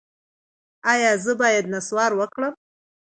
ایا زه باید نسوار وکړم؟